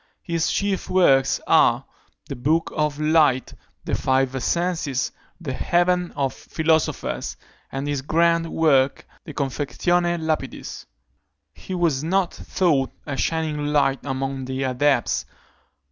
His chief works are, the Book of Light, the Five Essences, the Heaven of Philosophers, and his grand work, De Confectione Lapidis. He was not thought a shining light among the adepts.